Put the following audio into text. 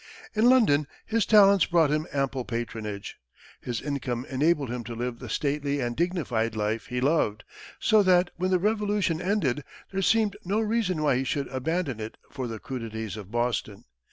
In London his talents brought him ample patronage, his income enabled him to live the stately and dignified life he loved, so that, when the Revolution ended, there seemed no reason why he should abandon it for the crudities of Boston.